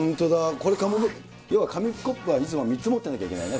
これ、要は紙コップはいつも３つ持ってなきゃいけないね。